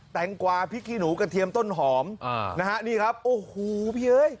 แงกวาพริกขี้หนูกระเทียมต้นหอมอ่านะฮะนี่ครับโอ้โหพี่เอ้ย